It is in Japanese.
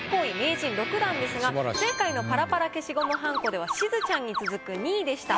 前回のパラパラ消しゴムはんこではしずちゃんに続く２位でした。